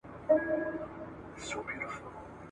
کشپ نه لري داهسي کمالونه ..